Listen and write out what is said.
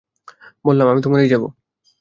বললাম, আমি তো মরেই যাব!